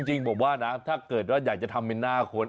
จริงผมว่านะถ้าเกิดว่าอยากจะทำเป็นหน้าคน